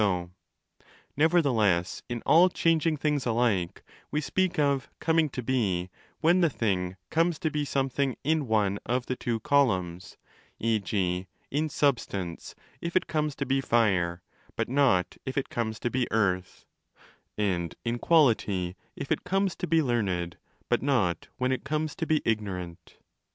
645 18 ὃ 8:05. ΡΕ GENERATIONE ET CORRUPTIONE Nevertheless, in all changing things alike, we speak of 15 'coming to be'+ when the thing comes to be 'something in one* of the two Columns—e.g. in Substance, if it comes to be Fire but not if it comes to be Earth; and in Quality, if it comes to be learned but not when it comes to be ignorant.